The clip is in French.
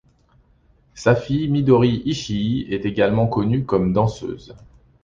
Sa fille Midori Ishii est également connue comme danseuse.